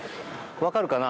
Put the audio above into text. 分かるかな？